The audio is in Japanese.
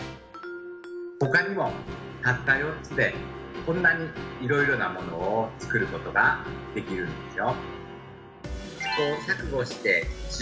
ほかにもたった４つでこんなにいろいろなものを作ることができるんですよ。